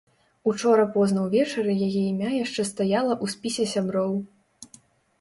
Учора позна ўвечары яе імя яшчэ стаяла ў спісе сяброў.